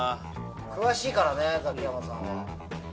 詳しいからねザキヤマさんは。